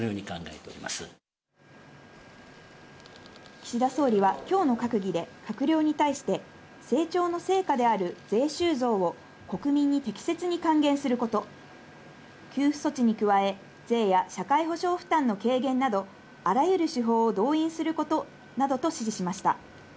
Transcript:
岸田総理はきょうの閣議で閣僚に対して、成長の成果である税収増を国民に適切に還元すること、給付措置に加え、税や社会保障負担の軽減などあらゆる手法を動員することなどと指示しました。